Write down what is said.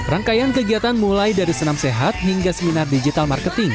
rangkaian kegiatan mulai dari senam sehat hingga seminar digital marketing